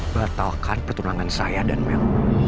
batalkan pertunangan saya dan mel